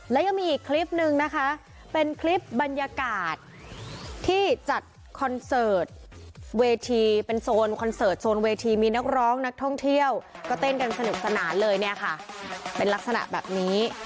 และยังมีอีกคลิปนึงนะคะเป็นคลิปบรรยากาศที่จัดคอนเสิร์ตเวทีเป็นโซนคอนเสิร์ตโซนเวทีมีนักร้องนักท่องเที่ยวก็เต้นกันสนุกสนานเลยเนี่ยค่ะเป็นลักษณะแบบนี้